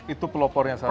itu pelopornya satu